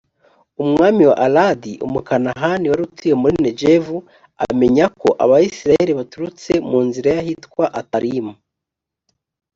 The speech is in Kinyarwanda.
umwami wa aradi, umukanahani wari utuye muri negevu, amenya ko abayisraheli baturutse mu nzira y’ahitwa atarimu.